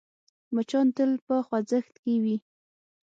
مچان تل په خوځښت کې وي